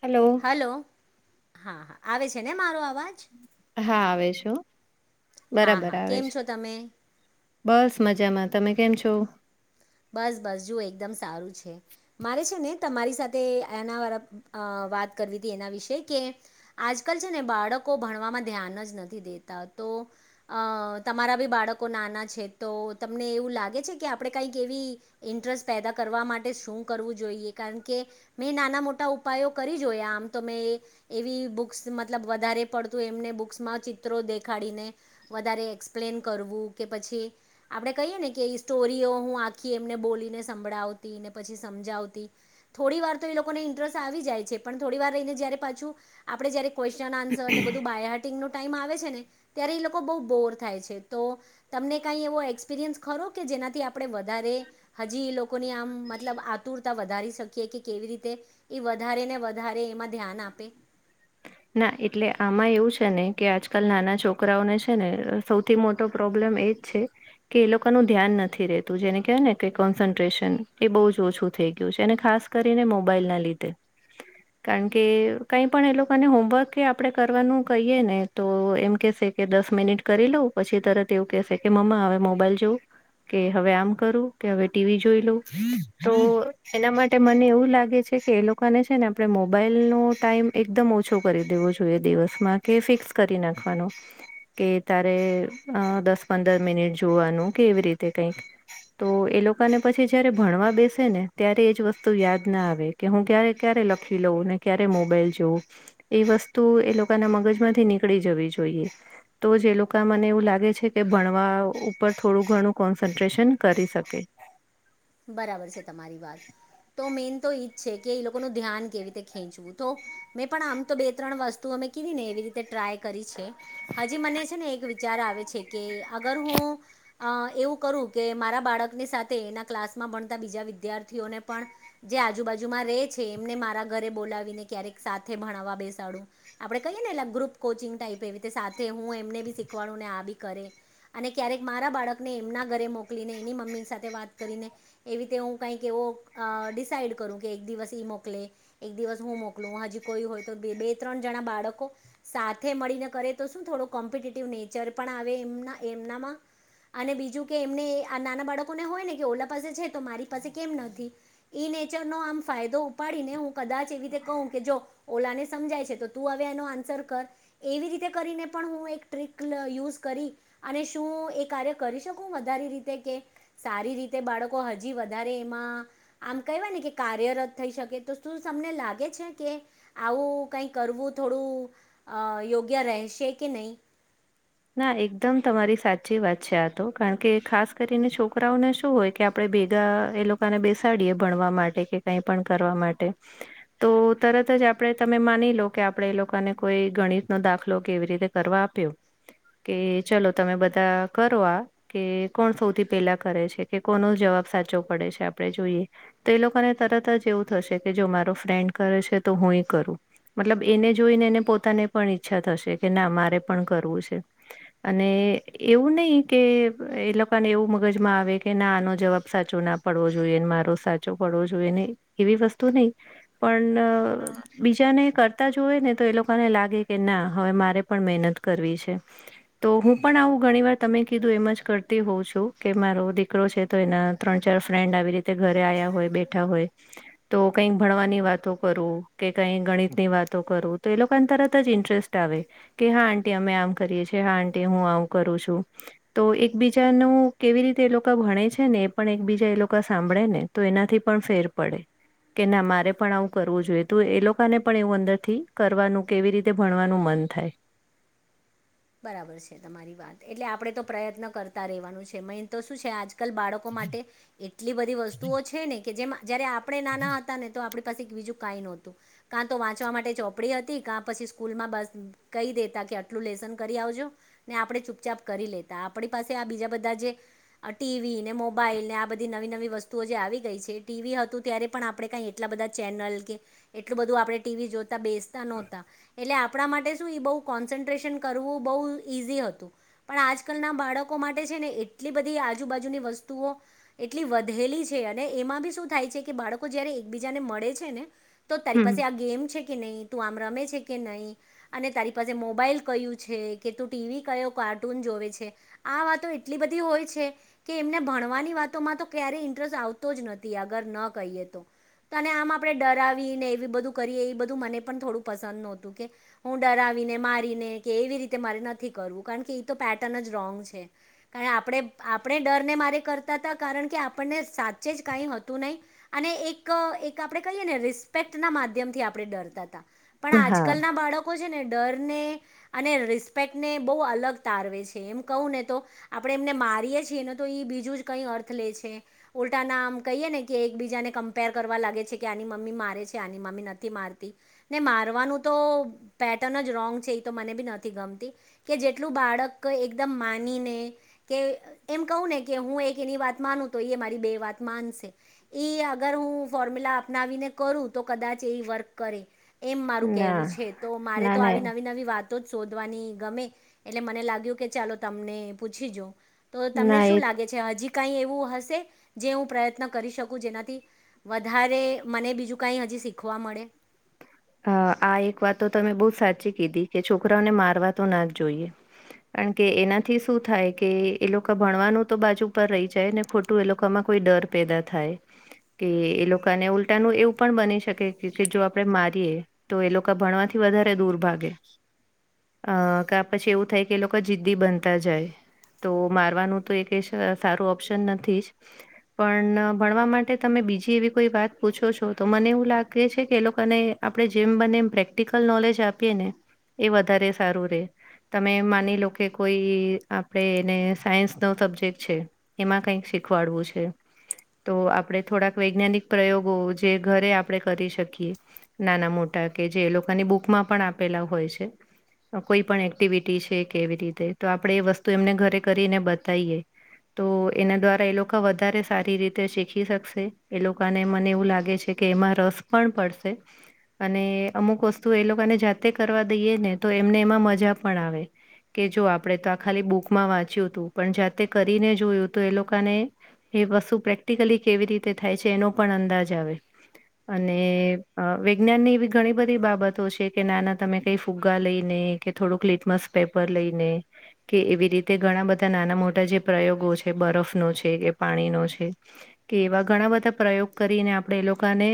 Hello. Hello હા હા. આવે છે ને મારો અવાજ હા, આવે છું. હા બરાબર હા આવે કેમ છે. છો તમે બસ મજામાં તમે કેમ છો? બસ, બસ જુઓ એકદમ સારું છે. મારે છે ને તમારી સાથે એના વાત કરવી હતી એના વિશે કે, આજકાલ છે ને બાળકો ભણવામાં ધ્યાન જ નથી દેતા. તો તમારા બી બાળકો નાના છે, તો તમને એવું લાગે છે કે, આપણે કઈ કેવી ઇન્ટરેસ્ટ પેદા કરવા માટે શું કરવું જોઈએ. કારણ કે, મેં નાના મોટા ઉપાયો કરી જોયા આમ તો મે એવી બુક મતલબ વધારે પડતું એમને બુક્સમાં ચિત્રો દેખ એને વધારે એક્ષપલેન કરવું કે, પછી આપણે કહીએ ને કે સ્ટોરીઓ હું આખી એમને બોલીને સંભળાવતીને પછી, સમજાવતી. થોડી વાર તો એ લોકોને ઇન્ટરેસ્ટ આવી જાય છે. પણ થોડી વાર રહીને જયારે પાછું આપડે જયારે ક્વેસયન આન્સરને બધું બાય હિંગનો ટાઈમ આવે છે ને ત્યારે એ લોકો બહુ બોર થાય છે તો, તમને કઈ એવો એક્સપિરિયન્સ ખરો કે જેનાથી આપડે વધારે હજી એ લોકોની આમ મતલબ આતુરતા વધારી શકીએ કે, કેવી રીતે એ વધારે ને વધારે એમાં ધ્યાન આપે. ના એટલે આમાં એવું છે ને કે, આજકાલ નાના છોકરાઓને છે ને સૌથી મોટો પ્રોબ્લેમ એજ છે. કે એ લોકોનું ધ્યાન નથી રેહતું જેને કહેવાય ને કે, કોન્સન્ટ્રેશન એ બહુ જ ઓછું થઈ ગયું છે અને ખાસ ખાસ કરીને મોબાઈલના લીધે. કારણ કે, કઈ પણ એ લોકો અને હોમવર્ક એ આપણે કરવાનું કહીએ ને તો એમ કહેશે કે, દસ મિનિટ કરી લઉં પછી તરત તેવું કેહશે કે, મમ્મા હવે મોબાઈલ જોવું. કે હવે આમ કરું કે હવે ટીવી જોઈ લઉં તો એના માટે મને એવું લાગે છે. કે એ લોકોને છે ને, આપણે મોબાઈલનો ટાઈમ એકદમ ઓ ઓછો કરી દેવો જોઈએ દિવસમાં કે ફિક્સ કરી નાખવાનો કે તારે દસ પંદર મિનિટ જોવાનું કે એવી રીતે કઈક તો એ લોકોને પછી જયારે ભણવા બેસે ને ત્યારે એજ વસ્તુ યાદના આવે કે હું ક્યારે, ક્યારે લખી લઉંને ક્યારે મોબાઈલ જોઉું. એ વસ્તુએ લોકોના મગજમાંથી નીકળી જવી જોઈએ. તો જે લોકો મને એવું લાગે છે કે ભણવા ઉપર થોડું ઘણું કોન્સન્ટ્રેશન કરી શકે. બરાબર છે તમારી વાત. તો મેન તો ઈજ છે કે એ લોકોનું ધ્યાન કેવી રીતે ખેંચવું. તો, મેં પણ આમ તો બે ત્રણ વસ્તુ અમે કીધીને એવી રીતે તે ટ્રાય કરી છે. હજી મને છે ને, એક વિચાર આવે છે કે અગર હું અ એવું કરું કે મારા બાળકની સાથે એના ક્લાસ હ, ભણતા બીજા વિદ્યાર્થીઓને પણ જે આજુબાજુમાં રહે છે. એમને મારા ઘરે બોલાવીને ક્યારેક સાથે ભણવા બેસાડું. આપણે કહીએ ને લેપ ગ્રુપ કોચિંગ ટાઈપ એવી સાથે હું એમને બી શીખવાડું. મે આબી કરે અને ક્યારેક મારા બાળકને એમના ઘરે મોકલીને એની મમ્મી સાથે વાત કરીને એવી રીતે હું કઈક એવો ડિસાઈડ કરું કે, એક દિવસ ઈ મોકલે એક દિવસ હું મોકલું. હજી કોઈ હોય તો બે ત્રણ જણા બાળકો સાથે મળીને કરે તો શું થોડો કોમ્પિટેટ નેચર ઘડપણ આવે એમના એમનામાં અને બીજું કે, એમને નાના બાળકને હોય ને ઓલા પછી છે તો મારી પાસે કેમ નથી. ઈ નેચરનો આમ ફાયદો ઉપાડીને હું કદાચ એવી રીતે કહું. જો ઓલાને સમજાય છે તો તું હવે, એ આન્સર કર એવી રીતે કરીને પણ હું એક ટિક યુઝ કરી અને શું એ કાર્ય કરી શકું વધારે રીતે કે સારી રીતે? બાળકો હજી વધારે એમાં આમ કહેવાય ને કે, કાર્યરત થઈ શકે તો શું તમને લાગે કે આવું કઈ કરવું થોડું અ યોગ્ય રહેશે કે નહી. [inaudible] ના એકદમ તમારી સાચી વાત છે. આ તો કારણ કે, ખાસ કરીને છોકરાઓને શું હોય કે આપડે ભેગા એ લોકોને બેસાડીએ ભણવા માટે કે કઈ પણ કરવા માટે તો તરત જે આપણે તમે માનીલો કે, આપણે એ લોકોને કોઈ ગણિતનોો દાખલો કેવી રીતે કરવા આપ્યો. કે ચલો તમે બધા કરો આ કે કોણ સૌથી પહેલા કરે છે કે કોનો જવાબ સાચો પડે છે આપણે જોઈએ તો એ લોકોને તરત જ એવું થશે કે જો મારો ફ્રેન્ડ કરે છે તો હ હુંય કરું મતલબ એને જોઈને એને પોતાને પણ ઈચ્છા થશે કે ના મારે પણ કરવું છે [inaudible] અને એવું નહી કે એ લોકોને એવું મગજમાં આવે કે ના આનો જવાબ સાચો ના આપે ડ જોઈ મારો સાચો પડવો જોઈએને એવી વસ્તુ નહી પણ બીજા ને કરતા જોએ ને તો એ લોકોને લાગે કે ના હવે મારે પણ મહેનત કરવી છે હ [unintelligible] તો હું પણ આવું ઘણી વાર તમે કીધું એમ જ કરતી હોઉં છું કે મારો દીકરો છે તો એના ત્રણ ચાર ફન્ડ આવી રીતે ઘરે આવ હોય બેઠા હોય તો કઈક ભણવાની વાતો કરું કે ક ગણિત ની વા કરું તો એ તરત જ ઇરેસ્ટ આવે કે હા આ અમેમ હા [unintelligible] હું આવું કરું છું, તો એકબીજાનું કેવી રીતે એ લોકો ભણે છે, ને. એ પણ એકબીજા એ લોકો સાંભળે ને તો એનાથી પણ ફેર પડે. કે ના મારે પણ આવું કરવું જોઈએ તો એ લોકોને પણ એવું અંદર થી કરવાનું કેવી રીતે ભણવાનું મ થાય [unintelligible] બરાબર છે તમારી વાત એટલે આપણેે તો પ્રયત્ન કરતા રહેવાનું છે મેન તો શું છે આજ આ બાળકો માટે એટલી બધી વસ્તુઓ છે ને કે જે જયારે આપણે નાના હતા ને તો આપ બીજું કઈ નતું કા તો વાંચવા માટે ચોપડી હતી કા પછી સ્કૂલ માં બસ કહી દેતા કેટલું લેઝન આપ ચુપ‌ ચાપ કરી લે આપ પાસે બીજા બધા ટીવી મો મોબાઈલ ને આ બધી નવી નવી વસ્તુઓ જે આવી ગઈ છે ટીવી હતું ત્યારે પણ આપણેે કઈ એટલા બધા ચેનલ કે એટલું બધું આપણે ટીવી જોતા બેસતા નહોતા એટલે આપણા માટે શું એ બહ કોન્સન્ટ્રેશન વું બ ઈઝી હતું પણ આજકાલ ના બાળકો માટે છે ને એટલી બધી આજુબાજુની વસ્તુ વતુ એટલી વધેલી છે અને એમાં બી શું થાય છે કે બાળકો જયારે એકબીજાને મળે છે ને તો તારી હમ પાસે આ ગેમ છે કે નહીં તું આમ રમે છે કે નહીં અને તારી પાસે મોબાઈલ કયું કે ત ટીવી ક કાર્ટૂન જોવે છે આ વાતો એટલી બધી હોય છે કે એમને ભણવાની વાતોમાં તો ક્યારેય ઇન્ટરેસ્ટ આવતો જ નથી આગર ન કહીએ તો તો અને આમ આપડણે ડરવી ને એવી બધું કરીએ એ બધું મને પણ થોડું પસંદ નહોતું કે હું ડરવી આવીને મારીને એવી રીતે મારે નથી કરવું કારણ કે તો પેટર્ન જ રોંગ છે કાર આપ આપણે ડર કારણ કે આપ સાચ જ ક હતું નહી અને એક આપણે કહી ર ક માધ્યમથી આપ ડતા પણ હા આજલના બાળકો છે ને ડરને અને રિસ્પેક્ટને બહુ અલગ તારવે છે, એમ કહું ને તો આપણે એમને મારીએ છીએ ને તો. બીજું જ કઈ અર્થ લે છે, ઉલ્ટા ના આમ કહીએ ને કે એકબીજાને કમ્પેર કરવા લાગે છે, કે આની મમ્મી. મમી નથી માર મારવાનું તો પટન [unintelligible] નથી ગમતી કે જેટલું બાળક એકદમ માનીને કે એમ કહું ને કે. હું એક એની વાત માનું તો એ મારી બે વાત માનશે એ અગર હું ફોર્મ્યુલા અપનાવીને. કરું તો કદાચ એ વર્ક કરે એમ મારું ના કહેવું છે, તો મારે ના તો આવી ના નવી નવી વાત. તો જ શોધવાની ગમે એટલે મને લાગ્યું કે ચાલો તમને પૂછી જો. તો તમને ના શું એક લાગે છે, હજી. ક એવું હશે જે હું પ્રયત્ન કરી શકું જેનાથી વધારે મને બીજું કઈજી. શીખવા મળે. હ આ એક વાત તો તમે બઉ સાચી કીધી કે છોકરાઓને મારવા તો ના જ જોઈએ. કારણ કે એનાથી શું થાય કે એ લોકો ભણવાનું તો બાજુ પર રહી જાય ને ખોટું એ લોકોમાં. કોઈ ડર પેદા થાય કે એ લોકોને ઉલટાનું એવું પણ બની શકે. જો આપડે મારીએ તો એ લોકો ભણવાથી વધારે દૂર ભાગે. અ કે પછી એવું થાય કે એ લોકો જિદ્દી બનતા જાય. તો મારવાનું તો એક સારું ઓપ્શન નથી જ પણ ભણવા માટે તમે. બીજી એવી કોઈ વાત પૂછો છો તો મને એવું લાગે છે, કે એ લોકોને. આપણે જેમ બને એમ પ્રેક્ટિકલ નોલેજ આપીએ ને એ વધારે સારું રે. તમે માની લો કે કોઈ આપડે એને સાયન્સ નો સબ્જેક્ટ છે, એમાં કઈક શી ખવાડવું છે. તો આપણે થોડાક વૈજ્ઞાનિક પ્રયોગો જે ઘરે આપણે કરી શકીએ. નાના મોટા કે જે એ લોકોની બુકમાં પણ આપેલા હોય છે. કોઈ પણ એક્ટિવિટી છે, કેવી રીતે તો આપણે એ વસ્તુ એમને ઘરે કરીને બતાવીએ. તો એના દ્વારા એ લોકો વધારે સારી રીતે શીખી શકશે એ લોકોને મને એવું લાગે છે. કે એમાં રસ પણ પડશે. અને અમુક વસ્તુ એ લોકોને જાતે કરવા દઈએે ને તો એમને એમાં મજા પણ આવે. કે જો આપણેે તો આ ખાલી બુકમાં વાંચ્યું હતું પણ જાતે કરીને જોયું તો એ લોકોને. એ વસ્તુ પ્રેક્ટિકલી કેવી રીતે થાય છે, એનો પણ અંદાજ આવે અને. વિૈજ્ઞાન ની એવી ઘણી બધી બાબતો છે, કે નાના તમે કઈ ફુગ્ગા લઈને કે થોડુંક લિટમસ. પેપર લઈને કે એવી રીતે ઘણા બધા નાના મોટા જે પ્રયોગો છે, બરફ નો છે, કે. પાણી નો છે, કે એવા ઘણા બધા પ્રયોગ કરીને આપણે એ લોકોને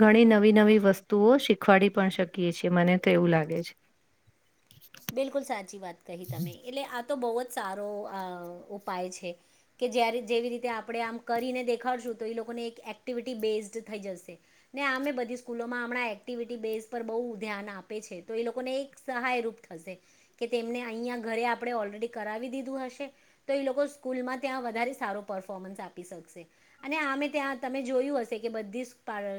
ઘણી ન વી નવી વસ્તુઓ શીખવાડી પણ શકીએ છીએ મને તો એવું લાગે છે. બિલકુલ સાચી વાત કહી તમે એટલે આ તો બહુ જ સારો આ ઉપાય છે. કે જ્યારે જેવી રીતે આપણે આમ કરીને દેખાડશું તો એ લોકોને એક એક્ટિવિટી બેઝડ થઈ જશે. ને આમે બધી સ્કૂલોમાં હમણાં એક્ટિવિટી બેઝ પર બહુ ધ્યાન આપે છે, તો એ લોકોને એક સહાય રૂપ થશે કે તેમને અહીયાં ઘરે આપણે ઓલરેડી કરાવી દીધું હશે તો એ લોકો સ્કૂલમાં ત્યાં. વધ સારો પરફોમન્સ આપી શકશે અને આમે ત્યાં તમે જોયું હશે કે બધી.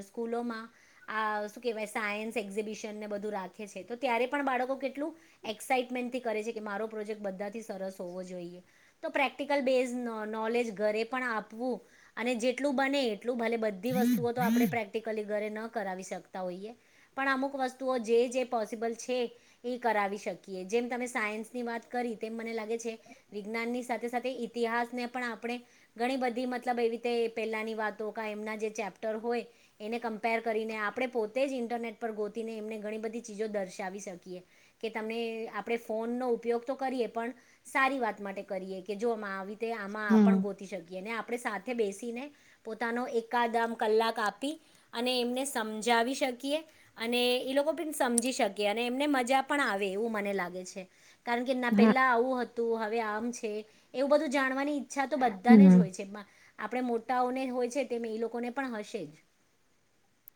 સ્કૂલોમાં આ શું કહેવાય સાયન્સ એક્ઝિબિશનને બધું રાખે છે, તો ત્યારે પણ બાળકો કેટલું. એક્સાાઈટમેન્ટથી કરે છે, કે મારો પ્રોજેક્ટ બધાથી સરસ હોવો જોઈએ તો પ્રેક્ટિકલ બેઝ નોલેજ ઘરે પણ આપવું અને જેટલું બને. ભલે બધી વસ્તુઓ તો આપણે પ્રેક્ટિકલી. ઘરે ન કરાવી શકતા હોઈએ પણ અમુક વસ્તુઓ જે પોસિબલ છે, એ. કરાવી શકીએ જેમ તમે સાયન્સની વાત કરી તેમ મને લાગે છે, વિજ્ઞાનની સાથે સાથે ઇતિહાસ. આપણે ઘણી બધી મતલબ એવી રીતે પેલાની વાતો એમના જે ચેપ્ટર હોય. એને કમ્પેર કરીને આપણે પોતે જ ઇન્ટરનેટ પર ગોતીને એમને ઘણી બધી ચીજો દર્શાવી શકીએ. કે તમને આપણે ફોનનો ઉપયોગ તો કરીએ પણ સારી વાત માટે કરીએ કે જોવામાં. તે આમાં હમ આપણ ગોતી શકીએ ને. આપણે સાથે બેસીને પોતાનો એકાદમ કલાક, આપી અને એમને સમજાવી શ કીએ અને, એ લોકો પણ સમજી શકે અને એમને મજા પણ આવે એવું મને લાગે છે, કારણ કે ના હા પેલા આવું હતુ હવે આમ છે. એવું બધું જાણવાની ઈચ્છા, તો બધાને હમ જ હોય છે. આપણે મોટાઓને હોય છે, તેમ એ લોકોને પણ હશે જ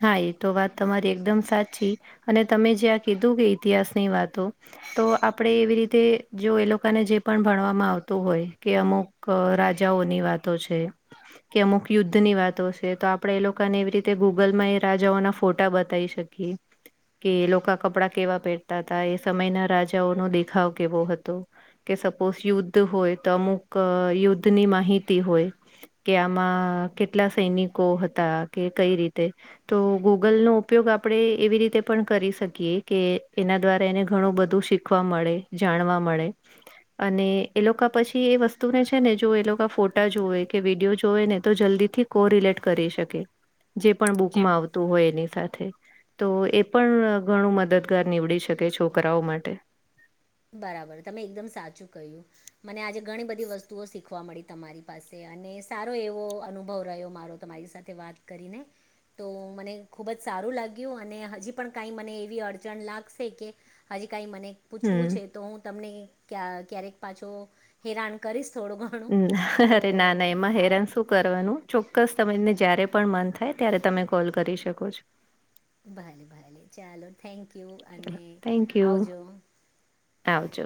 હા, એ તો વાત તમારી એકદમ સાચી અને તમે જ્યા આં કીધું કે ઇતિહાસ, ની વાતો તો આપડે એવી રીતે, જો એ લોકોને જે પણ ભણવામાં આવતું હોય, કે અમુક રા જાઓની વાતો છે, કે અમુક યુદ્ધની વાતો છે. તો આપડે એ લોકોને એવી રીતે ગૂગલમા, એ રાજાઓના ફોટા બતાવી શકીએ કે એ લોકો, કપડા કેવા પહેરતા હતા, એ સમયના રાજાઓનો દેખાવ કેવો હતો કે સપોઝ યુદ્ધ હોય, તો અમુક યુદ્ધ ની માહિતી હોય, કે આમા કેટલા, સૈનિકો હતા. કે કઈ રી તે તો ગૂગલ નો ઉપયોગ, આપણે એવી રીતે પણ કરી શકીએ, કે એના દ્વારા એને ઘણુ, બધું શીખવા મળે જાણવા મળે અને એ લોકો પછી એ વસ્તુને છે, ને જો એ લોકો ફોટા જોવે કે વિડીયો જોવે, ને તો જલ્દી થી, કો રિલેટ કરી શકે જે પણ બુક મા આવતુ, હોય એને સાથે, તો એ પણ ઘણું મદદગાર નીવડી શકે છોકરાઓ, માટે બરાબર, તમે એકદમ સાચું કહ્યું મને આજે ઘણી બધી વસ્તુઓ શીખવા મળી તમારી પાસે અને સારો, એવો અનુભવ રહ્યો મારો તમારી સાથે વાત કરીને તો મને ખુબ જ સારુ લાગ્યુ, અને હજી પણ કઈ મને એવી અડચણ લાગશે કે ક મને પૂછવું હમ છે, તો હુ તમને ક્યારેક પાછો હેરાન કરીશ થોડું ઘણું તો અરે, ના ના એમાં આ હેરાન શું કરવાનું ચોક્કસ, તમને જ્યારે પણ મન થાય ત્યારે તમે કોલ કરી શકો છો. ભલે ભલે ચાલો, થેન્ક યુ ચલો અને થેન્ક યુ આવજો આવજો